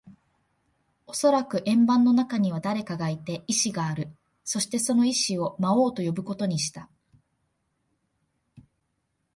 おそらく円盤の中には誰かがいて、意志がある。そして、その意思を魔王と呼ぶことにした。